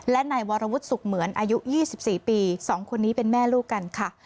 และนายวรวุฒิสุขเหมือนอายุ๒๔ปี๒คนนี้เป็นแม่ลูกกันค่ะ